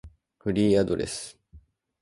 フリーアドレス